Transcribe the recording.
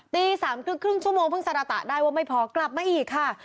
ตี๓ครึ่งชั่วโมงเพิ่งสารตะได้ว่าไม่พอกลับมาอีกค่ะ